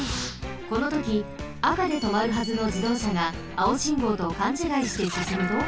このときあかでとまるはずのじどうしゃがあお信号とかんちがいしてすすむと。